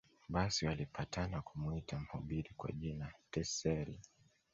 Basi walipatana kumuita mhubiri kwa jina Tetzel